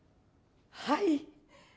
はい。